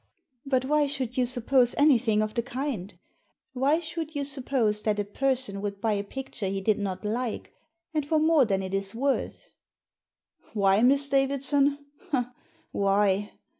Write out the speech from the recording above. "But why should you suppose anything of the kind ? Why should you suppose that a person would buy a picture he did not like, and for more than it is worth ?" "Why, Miss Davidson, ah, why?"